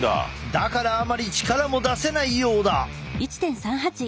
だからあまり力も出せないようだ。